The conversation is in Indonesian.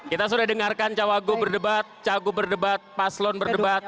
kita sudah dengarkan cawagu berdebat cagu berdebat paslon berdebat